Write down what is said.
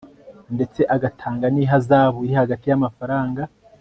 ndetse agatanga n'ihazabu iri hagati y'amafaranga